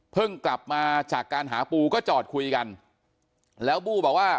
กลับมาจากการหาปูก็จอดคุยกันแล้วบู้บอกว่า